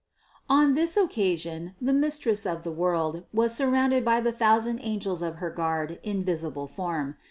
On this occasion the Mistress of the world was sur rounded by the thousand angels of her guard, in visible form.